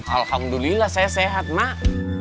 alhamdulillah saya sehat mak